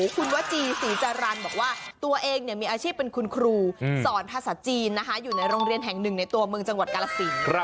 คุณวจีศรีจรรย์บอกว่าตัวเองมีอาชีพเป็นคุณครูสอนภาษาจีนนะคะอยู่ในโรงเรียนแห่งหนึ่งในตัวเมืองจังหวัดกาลสิน